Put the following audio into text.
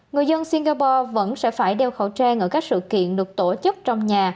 người dân singapore vẫn sẽ phải đeo khẩu trang ở các sự kiện được tổ chức trong nhà